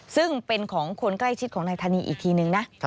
ซึ่งเป็นของคนใกล้ชิดของนายธานีอีกทีนึงนะ